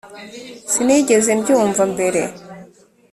sinigeze mbyumva mbere.